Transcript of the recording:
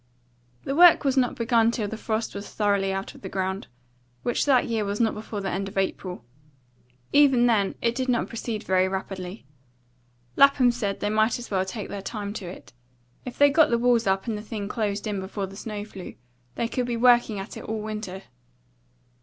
The work was not begun till the frost was thoroughly out of the ground, which that year was not before the end of April. Even then it did not proceed very rapidly. Lapham said they might as well take their time to it; if they got the walls up and the thing closed in before the snow flew, they could be working at it all winter.